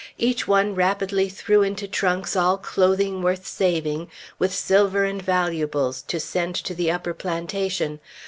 Each one rapidly threw into trunks all clothing worth saving, with silver and valuables, to send to the upper plantation.